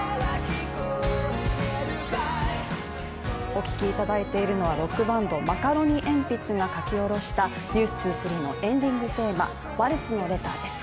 お聴きいただいているのはロックバンドマカロニえんぴつが書き下ろした「ｎｅｗｓ２３」のエンディングテーマ「ワルツのレター」です。